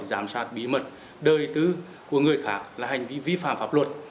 giám sát bí mật đời tư của người khác là hành vi vi phạm pháp luật